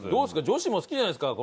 女子も好きじゃないですか？